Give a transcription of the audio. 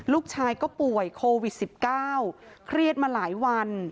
ลูกชายก็ป่วยโควิด๑๙เครียดมาหลายวัน